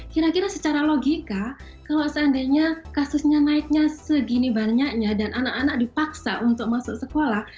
kira kira secara logika kalau seandainya kasusnya naiknya segini banyaknya dan anak anak dipaksa untuk masuk sekolah